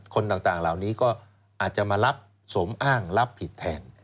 คนต่างเหล่านี้ก็อาจจะมารับสมอ้างรับผิดแทน